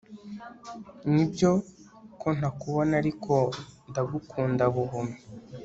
Nibyo ko ntakubona ariko ndagukunda buhumyi